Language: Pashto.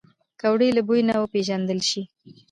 پکورې له بوی نه وپیژندل شي